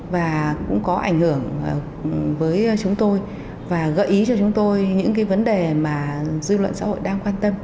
và cũng có ảnh hưởng với chúng tôi và gợi ý cho chúng tôi những cái vấn đề mà dư luận xã hội đang quan tâm